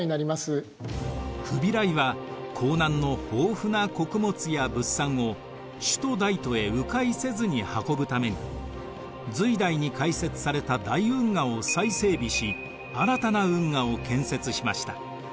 フビライは江南の豊富な穀物や物産を首都・大都へう回せずに運ぶために隋代に開設された大運河を再整備し新たな運河を建設しました。